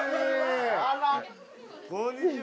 ・こんにちは。